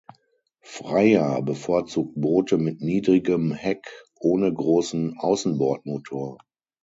Freya bevorzugt Boote mit niedrigem Heck ohne großen Außenbordmotor.